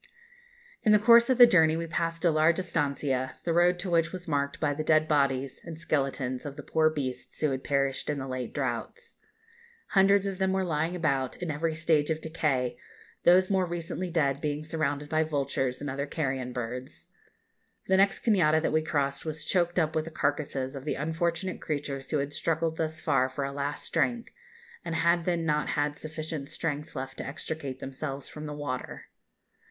In the course of the journey we passed a large estancia, the road to which was marked by the dead bodies and skeletons of the poor beasts who had perished in the late droughts. Hundreds of them were lying about in every stage of decay, those more recently dead being surrounded by vultures and other carrion birds. The next cañada that we crossed was choked up with the carcases of the unfortunate creatures who had struggled thus far for a last drink, and had then not had sufficient strength left to extricate themselves from the water.